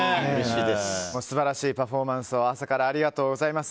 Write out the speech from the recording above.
素晴らしいパフォーマンス朝からありがとうございます。